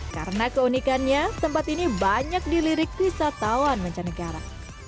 karena keunikannya tempat ini banyak dilirik wisatawan mencanegara